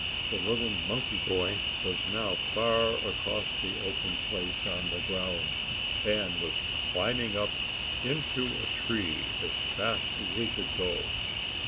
The little monkey boy was now far across the open place on the ground, and was climbing up into a tree as fast as he could go.